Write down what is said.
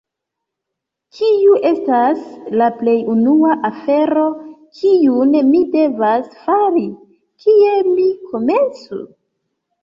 Kiu estas la plej unua afero, kiun mi devas fari? Kie mi komencu?